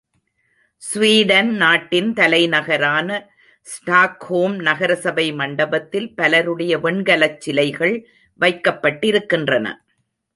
Sweden நாட்டின் தலைநகரான Stockholm நகரசபை மண்டபத்தில் பலருடைய வெண்கலச் சிலைகள் வைக்கப்பட்டிருக்கின்றன.